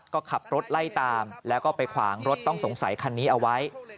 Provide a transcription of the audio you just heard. ก็ขับรถไล่ตามแล้วก็ไปขวางรถต้องสงสัยคันนี้เอาไว้